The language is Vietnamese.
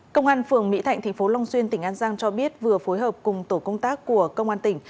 công an phường mỹ thạnh tp long xuyên tỉnh an giang cho biết vừa phối hợp cùng tổ công tác của công an tỉnh